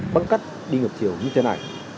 băng cắt đi ngập thiểu như thế này